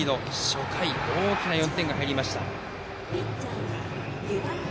初回、大きな４点が入りました。